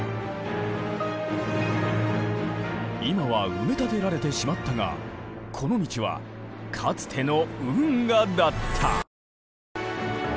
今は埋め立てられてしまったがこの道はかつての運河だった。